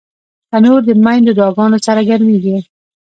تنور د میندو دعاګانو سره ګرمېږي